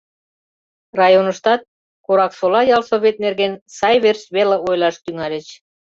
Районыштат Кораксола ялсовет нерген сай верч веле ойлаш тӱҥальыч.